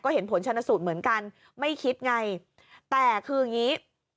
เห็นผลชนสูตรเหมือนกันไม่คิดไงแต่คืออย่างงี้